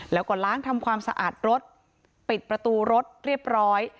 แล้วก็ล้างทำความสะอาดรถปิดประตูรถเรียบร้อย